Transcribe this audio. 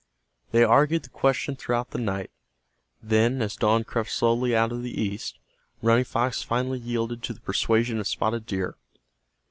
They argued the question throughout the night. Then, as dawn crept slowly out of the east, Running Fox finally yielded to the persuasion of Spotted Deer.